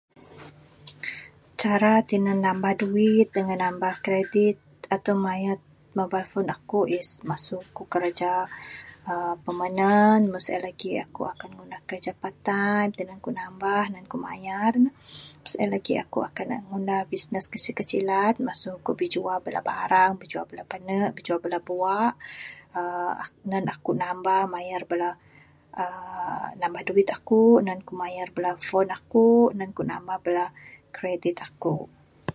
Cara tinan nambah duit tinan nambah kredit adeh mayar mobile phone aku is masu ku kerja permanent meng sien lagih aku akan ngunah kerja part time tinan ku nambah ne nan ku mayar. Meng sien lagih aku akan ngunah bisnes kecil kecilan masu ku bijua bala barang binua bala pane bijua bala bua uhh nan aku nambah mayar bala uhh nambah duit nan mayar bala phone aku nan ku nambah bala kredit aku.